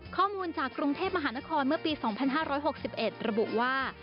ข้อมูลจากกรุงเทพมหานครเมื่อปี๒๕๖๑ระบุว่า